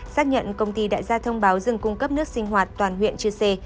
xác nhận công ty đại gia thông báo dừng cung cấp nước sinh hoạt toàn huyện chư sê